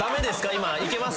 今。